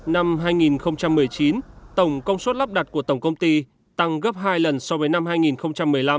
năm hai nghìn một mươi chín tổng công suất lắp đặt của tổng công ty tăng gấp hai lần so với năm hai nghìn một mươi năm